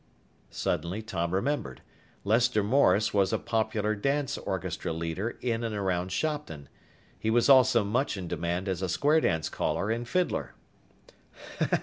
Suddenly Tom remembered. Lester Morris was a popular dance orchestra leader in and around Shopton. He was also much in demand as a square dance caller and fiddler.